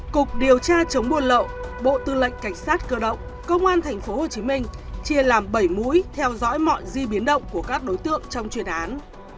cục điều tra chống buôn lậu bộ tư lệnh cảnh sát cơ động công an tp hcm chia làm bảy mũi theo dõi mọi di biến động của các đối tượng trong chuyên án